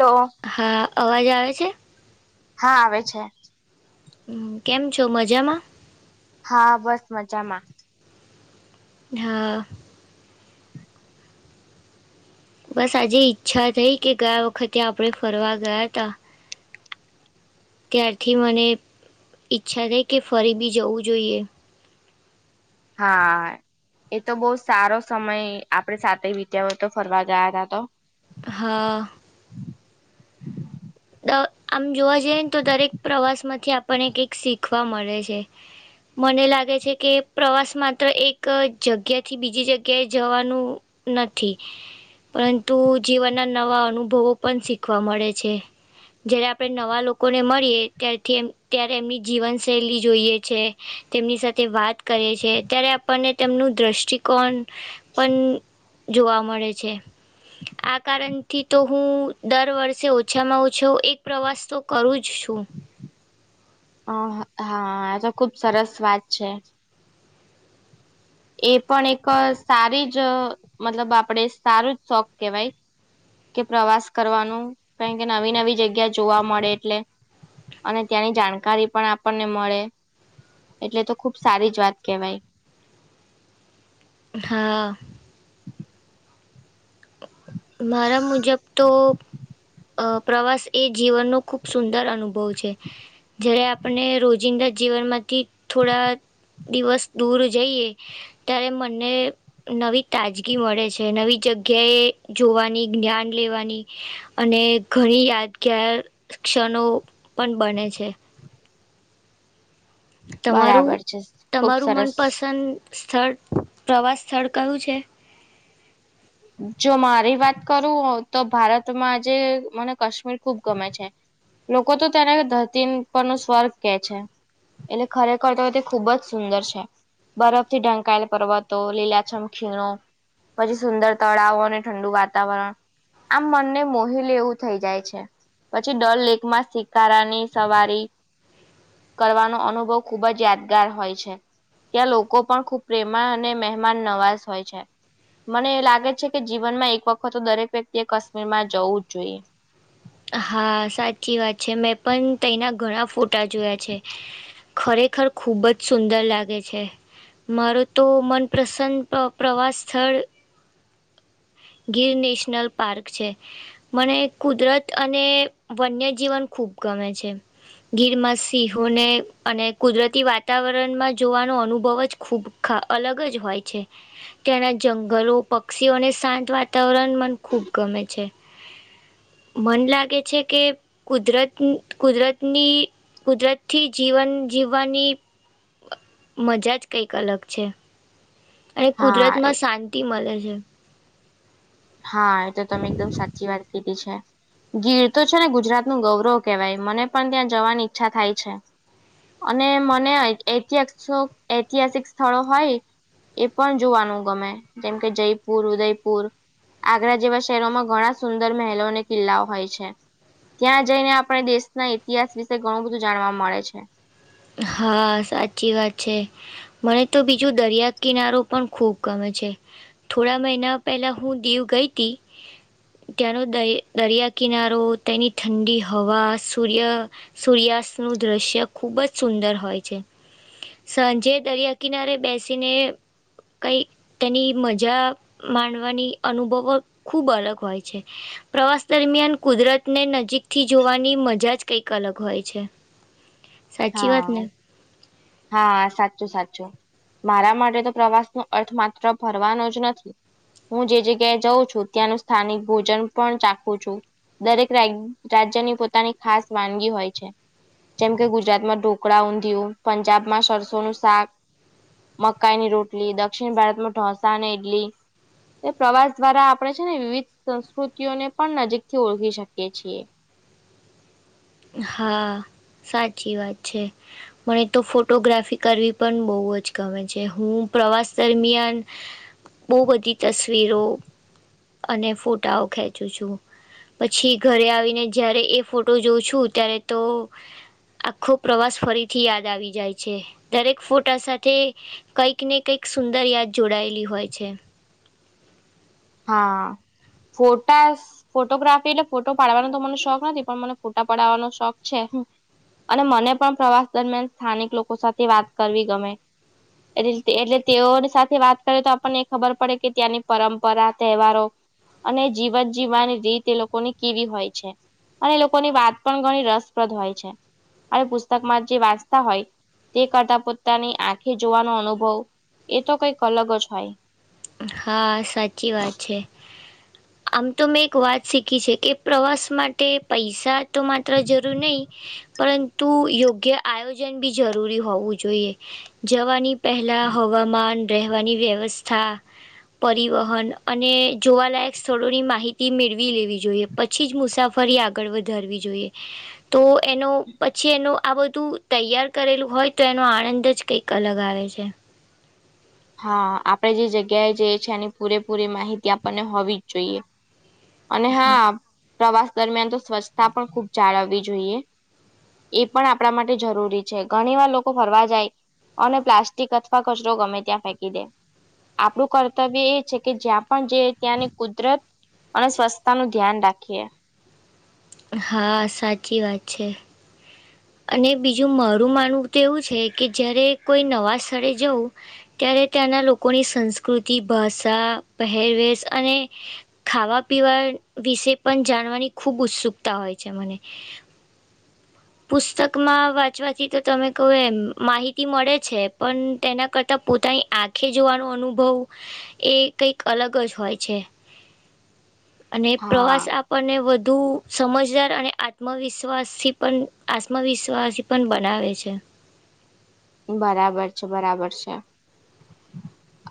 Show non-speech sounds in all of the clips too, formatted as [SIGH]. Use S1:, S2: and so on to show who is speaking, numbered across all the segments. S1: તો
S2: હા અવાજ આવે છે.
S1: હા આવે છે.
S2: હમ્મ કેમ છો મજામાં.
S1: હા બસ મજામાં.
S2: હા. બસ આજે ઈચ્છા થઈ કે ગયા વખતે આપણે ફરવા ગયા તા. ત્યારથી મને ઈચ્છા થઈ કે ફરી બી જવું જોઈએ.
S1: હા. એ તો બહુ સારો સમય આપડે સાથે વિતાવ્ય તો ફરવા ગયા ત તો.
S2: હા. તો આમ જોવા જઈએ ને તો દરેક પ્રવાસ માંથી આપણને કઈક શીખવા મળે છે. મને લાગે છે કે પ્રવાસ માત્ર એક જગ્યાથી બીજી જગ્યાએ જવાનું નથી પરંતુ જીવનના નવા અનુભવો પણ શીખવા મળે છે. જ્યારે આપણે નવા લોકોને મળીએ ત્યારથી એમ ત્યારે એમની જીવનશૈલી જોઈએ છે. તેમની સાથે વાત કરે છે ત્યારે આપણને તેમનું દ્રષ્ટિકોણ પણ જોવા મળે છે આ કારણથી તો હું દર વર્ષે ઓછામાં ઓછ છો એક પ્રવાસ તો કરું જ છું.
S1: આ હા આ તો ખુબ સરસ વાત છે. એ પણ એક સારી જ મતલબ આપડે સારું જ શોખ કેહેવાય. કે પ્રવાસ કરવાનું કારણ કે નવી નવી જગ્યા જોવા મળે એટલે. અને ત્યાંની જાણકારી પણ આપણને મળે. એટલે તો ખુબ સારી જ વાત કેવાય.
S2: હા. મારા મુજબ તો અ પ્રવાસ એ જીવનનો ખૂબ સુંદર અનુભવ છે. જ્યારે આપણને રોજિંદા જીવનમાંથી થોડા દિવસ દૂર જઈએ ત્યારે મને નવી તાજગી મળે છે નવી જગ કે જોવાની જ્ઞાન લેવાની અને ઘણી યાદગાર ક્ષણો પણ બને છે. તમારું
S1: બરાબર છે ખુબ
S2: તમારું
S1: સરસ
S2: મનપસંદ સ્થળ પ્રવાસ સ્થળ કયું છે.
S1: જો મારી વાત કરું તો ભારતમાં આજે મને કાશ્મીર ખુબ ગમે છે. લોકો તો તેને ધરતીન પરનું સ્વર્ગ કે છે. એટલે ખરેખર તો તે ખુબ જ સુંદર છે. બરફથી ઢંકાયેલ પર્વતો, લીલાછમ ખીણો, પછી સુંદર તળાવો અને ઠંડુ વાતાવરણ આમ મનને મોહિ લે એવું થઈ જાય છે. પછી ડલ લેકમાં શિકારાની સવારી કરવાનો અનુભવ ખૂબ જ યાદગાર હોય છે. ત્યાં લોકો પણ ખુબ પ્રેમાળ અને મહેમાન નવાસ હોય છે, મને લાગે છે કે જીવનમાં એક વખત તો દરેક વ્યક્તિએ કાશ્મીરમાં જવું જ જોઈએ.
S2: હા, સાચી વાત છે. મેં પણ તઈના ઘણા ફોટા જોયા છે. ખરેખર ખુબ જ સુંદર લાગે છે. મારું તો મનપસંદ પ્ર-પ્રવાસ સ્થળ ગીર નેશનલ પાર્ક છે. મને કુદરત અને વન્ય જીવન ખૂબ ગમે છે. ગીરમાં સિંહોને અને કુદરતી વાતાવરણમાં જોવાનો અનુભવ જ ખૂબ ખ અલગ જ હોય છે. ત્યાંના જંગલો, પક્ષીઓ અને શાંત વાતાવરણ મને ખૂબ ગમે છે. મન લાગે છે કે કુદરત-કુદરતની કુદરતથી જીવન જીવવાની મજા જ કંઈક અલગ છે અને
S1: હા
S2: કુદરતમાં શાંતિ મલે છે.
S1: હા, એ તો તમે એકદમ સાચી વાત કીધી છે. ગીર તો છે ને ગુજરાતનું ગૌરવ કહેવાય મને પણ ત્યાં જવાની ઈચ્છા થાય છે. અને મને ઐ-એતિહાસ્થ્ય એતિહાસિક સ્થળો હોય એ પણ જોવાનું ગમે જેમ કે જયપુર, ઉદયપુર આગ્રા જેવા શહેરોમાં ઘણા સુંદર મહેલો અને કિલ્લાઓ હોય છે. ત્યાં જઈને આપડે દેશના ઇતિહાસ વિશે ઘણું બધું જાણવા મળે છે.
S2: હા, સાચી વાત છે. મને તો બીજું દરિયાકિનારો પણ ખૂબ ગમે છે. થોડા મહિના પહેલાં હું દીવ ગઈ તી. ત્યાર હુ દઈ-દરિયાકિનારો તેની ઠંડી હવા, સૂર્ય સૂર્યાસ્તનું દ્રશ્ય ખૂબ જ સુંદર હોય છે. સાંજે દરિયાકિનારે બેસીને કંઈક તેની મજા માણવાની અનુભવ ખૂબ અલગ હોય છે. પ્રવાસ દરમિયાન કુદરતને નજીકથી જોવાની મજા જ કઈક અલગ હોય છે. સાચી વાત
S1: હા
S2: ને?
S1: [UNINTELLIGIBLE] હા, સાચું સાચું મારા માટે તો પ્રવાસનો અર્થ માત્ર ફરવાનો જ નથી હું જે જગ્યાએ જઉ છું ત્યાંનું સ્થાનિક ભોજન પણ ચાખું છું. દરેક રા-રાજ્યની પોતાની ખાસ વાનગી હોય છે. જેમ કે ગુજ ગુજરાતમાં ઢોકળા, ઊંધિયું, પંજાબમાં સરસોનુ શાક મકાઈની રોટલી, દક્ષિણ ભારતમાં ઢોસા અને ઇડલી તે પ્રવાસ દ્વારા આપડે છે ને વિવિધ સંસ્કૃતિઓને પણ નજીકથી ઓળખી શકીએ છીએ.
S2: હા, સાચી વાત છે. મને તો ફોટોગ્રાફી કરવી પણ બઉ જ ગમે છે. હું પ્રવાસ દરમિયાન બોઉ બધી તસવીરો અને ફોટાઓ ખેંચું છું. પછી ઘરે આવીને જયારે એ ફોટો જોઉ છું તું ત્યારે તો આખો પ્રવાસ ફરીથી યાદ આવી જાય છે. દરેક ફોટા સાથે કંઈક ને કઈક સુંદર યાદ જોડાયેલી હોય છે.
S1: હા, ફોટા સ ફોટોગ્રાફી એટલે ફોટો પાડવાનો તો મને શોખ નથી પણ મને ફોટા પડાવાનો શોખ છે. અને મને પણ પ્રવાસ દરમિયાન સ્થાનિક લોકો સાથે વાત કરવી ગમે એટલે તેઓની સાથે વાત કરે તો આપણને ખબર પડે કે ત્યાંની પરં પરા તહેવારો અને જીવન જીવવાની રીત એ લોકોની કેવી હોય છે. અને લોકોની વાત પણ ઘણી રસપ્રદ હોય છે. આવી પુસ્તક માં જે વાંચતા હોય. તે કરતા પોતાની આંખે જોવાનો અનુભવ એ તો કંઈક અલગ જ હોય.
S2: હા સાચી વાત છે. આમ તો મેં એક વાત શીખી છે કે પ્રવાસ માટે પૈસા તો માત્ર જરૂર નહીં પરં તો યોગ્ય આયોજન બી જરૂરી હોવું જોઈએ જવાની પહેલાં હવામાન રહેવાની વ્યવસ્થા. પરિવહન અને જોવાલાયક સ્થળોની માહિતી મેળવી લેવી જોઈએ. પછી જ મુસાફરી આગળ વધારવી જોઈએ. તો એનો પછી એનો આ બધું તૈયાર કરેલું હોય તો એનો આનંદ જ કઈ અલગ આવે છે.
S1: હા આપણે જે જગ્યાએ જે છે એની પૂરેપૂરી માહિતી આપણને હોવી જ જોઈએ. અને હા પ્રવાસ દરમિયાન તો સ્વચ્છતા પણ ખુબ જાળવવી જોઈએ. એ પણ આપણા માટે જરૂરી છે. ઘણીવાર લોકો ફરવા જાય અને પ્લાસ્ટિક અથવા કચરો ગમે ત્યાં ફેંકી દે આપણું કર્તવ્ય એ છે કે જ્યાં પણ જે ત્યાંની કુદરત અને સ્વચ્છતાનું ધ્યાન રાખીએ.
S2: હા સાચી વાત છે. અને બીજું મારું માનવું તો એવું છે કે જ્યારે કોઈ નવા સ્થળે જવું ત્યારે ત્યાંના લોકોની સંસ્કૃતિ ભાષા પહેરવેશ અને ખાવા પીવા વિશે પણ જાણવાની ખુબ ઉત્સુકતા હોય છે મને. પુસ્તકમાં વાંચવાથી તો તમે કહો એમ માહિતી મળે છે પણ તેના કરતાં પોતાની આ આખે જોવાનો અનુભવ એ કઈક અલગ જ હોય છે. અને પ્રવાસ
S1: હા
S2: આપણને વધુ સમજદાર અને આત્મવિશ્વાસથી પણ આત્મવિશ્વાસી પણ બનાવે છે.
S1: બરાબર છે બરાબર છે.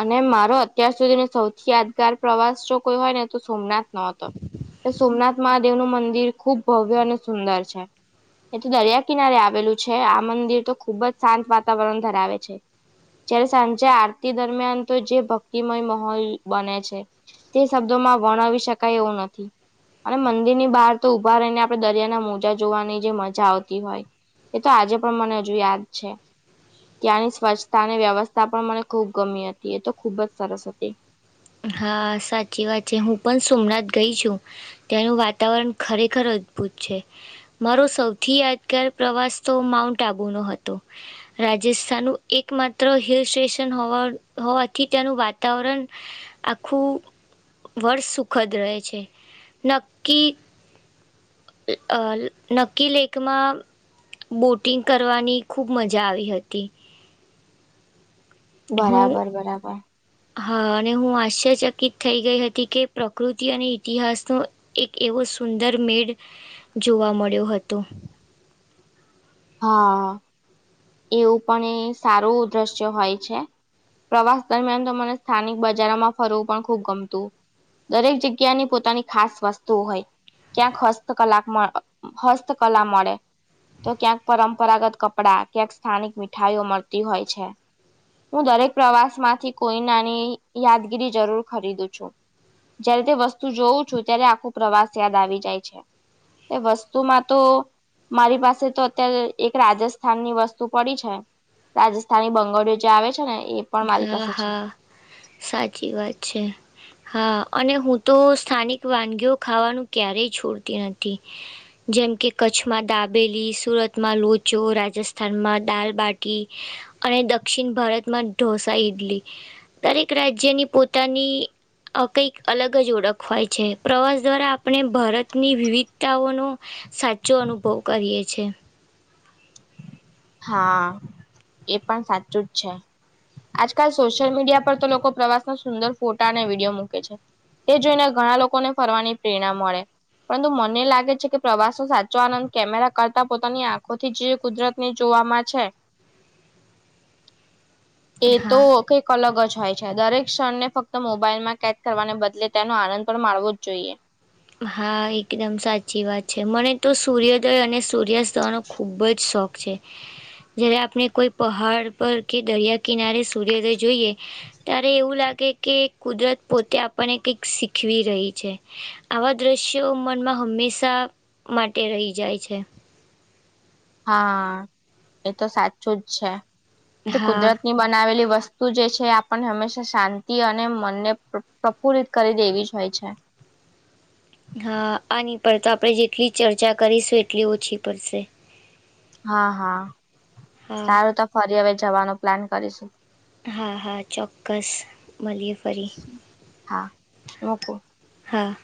S1: અને મારો અત્યાર સુધીનો સૌથી યાદગાર પ્રવાસ જો કોઈ હોય ને તો સોમનાથ હતો સોમનાથ મહાદેવ નું મંદિર ખુબ ભવ્ય અને સુંદર છે. એ તો દરિયા કિનારે આવેલું છે આ મંદિર તો ખુબ જ શાંત વાતાવરણ ધરાવે છે. જયારે સાંજે આરતી દરમિયાન તો જે ભક્તિમય માોલ બને છે. તે શબ્દોમાં વર્ણાવ શકાય એવું નથી. અને મંદિર ની બહાર તો ઊભા રહીને આપણે દરિયાના મોજા જોવાની જે મજા આવતી હોય. એ તો આજે પણ મને હજુ યાદ છે. ત્યાંની સ્વચ્છતા અને વ્યવસ્થા પણ મને ખૂબ ગમી હતી એ તો ખુબ જ સરસ હતી.
S2: હા સાચી વાત છે હું પણ સોમનાથ ગઈ છું. ત્યાંનું વાતાવરણ ખરેખર અદ્ભુત છે. મારો સૌથી યાદગાર પ્રવાસ તો માઉન્ટ આબુનો હતો. રાજસ્થાન ન એક માત્ર હિલ સ્ટેશન હોવા હોવાથી તે્યાનું વાતાવરણ. [UNINTELLIGIBLE] આખું વર્ષ સુખદ રહે છે નક્કી [UNINTELLIGIBLE] નક્કી લેકમાં. બોટિંગ કરવાની ખૂબ મજા આવી હતી. હું
S1: બરાબર બરાબર.
S2: હા અને હું આશ્ચરચકિત થઈ ગઈ હતી કે પ્રકૃતિ અને ઇતિહાસનો એક એવો સુંદર મેળ જોવા મળ્યો હતો.
S1: હા. એવું પણ એ સારું દ્રશ્ય હોય છે. પ્રવાસ દરમિયાન તો મને સ્થાનિક બજારોમાં ફરવું પણ ખુબ ગમતું. દરેક જગ્યાની પોતાની ખાસ વસ્તુઓ હોય. ક્યાંક હસ્તકલા હસ્તકલા મળે. તો ક્યાંક પરંપરાગત કપડા ક્યાંક સ્થાનિક મીઠાઈઓ મળતી હોય છે. હું દરેક પ્રવાસ માંથી કોઈ નાની યાદગીરી જરૂર ખરીદું છું. જયારે તે વસ્તુ જોઉં છું ત્યારે આખો પ્રવાસ યાદ આવી જાય છે. એ વસ્તુમાં તો મારી પાસે તો અત્યારે એક રાજસ્થાન ની વસ્તુ વસ્તુ પડી છે રાજસ્થાની બંગળીઓ જે આવે છે ને એ પણ મારી
S2: હા
S1: પાસે છે
S2: હા સાચી વાત છે. હા અને હું તો સ્થાનિક વાનગીઓ ખાવાનું ક્યારેય છોડતી નથી. જેમ કે કચ્છમાં દાબેલી, સુરતમાં લોચો, રાજસ્થાનમાં દાલબાટી. અને દક્ષિણ ભારતમાં ઢોસા ઈડલી દરેક રાજ્યની પોતાની કંઈક અલગ જ ઓળખવાય છે પ્રવાસ દ્વારા આપણે ભારતની વિવિધતાઓનો સાચો અનુભવ કરીએ છે.
S1: હા એ પણ સાચું જ છે. આજકાલ સોશિયલ મીડિયા પર તો લોકો પ્રવાસનો સુંદર ફોટા અને વીડિયો મૂકે છે. તે જોઈને ઘણા લોકોને ફરવાની પ્રેરણા મળે. પરંતુ મને લાગે છે કે પ્રવાસો સાચો આનંદ કેમેરા કરતા પોતાની આંખોથી જે કુદરત ને જોવામાં છે એ તો
S2: હા
S1: કંઈક અલગ જ હોય છે દરેક ક્ષણ ને ફક્ત મોબાઈલમાં કેદ કરવાને બદલે તેનો આનંદ પણ માણવો જ જોઈએ.
S2: હા એકદમ સાચી વાત છે મને તો સૂર્યોદય અને સૂર્યાસ્તનો ખૂબ જ શોખ છે. જ્યારે આપણે કોઈ પહાડ પર કે દરિયા કિનારે સૂર્યોદય જોઈએ. ત્યારે એવું લાગે કે કુદરત પોતે આપણને કઈક શીખવી રહી છે. આવા દ્રશ્યો મનમાં હંમેશા માટે રહી જાય છે.
S1: હા એ તો સાચું જ છે એ
S2: હા
S1: કુદરતની બનાવેલી વસ્તુ તું જે છે આપણને હંમેશા શાંતિ અને મનને પ્રફુલ્લિત કરી દેવી જ હોય છે.
S2: હા આની પર તો આપડે જેટલી ચર્ચા કરીશું એટલી ઓછી પડશે.
S1: હા હા
S2: હા
S1: સારું તો ફરી હવે જવાનો પ્લાન કરીશુ.
S2: હા હા ચોક્કસ મળીએ ફરી.
S1: હા મૂકું
S2: હા.